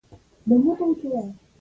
سپي ته خونه پکار ده.